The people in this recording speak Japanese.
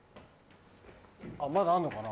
まだあんのかな？